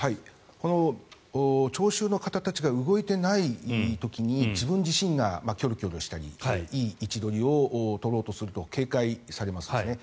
この聴衆の方たちが動いていない時に自分自身がキョロキョロしたりいい位置取りを取ろうとすると警戒されますよね。